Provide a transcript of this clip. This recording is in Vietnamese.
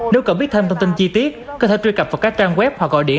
nếu cần biết thêm thông tin chi tiết có thể truy cập vào các trang web hoặc gọi điện